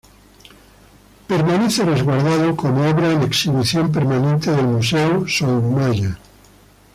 Permanece resguardado como obra en exhibición permanente del Museo Soumaya.